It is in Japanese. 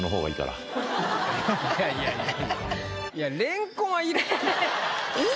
いやいやいや。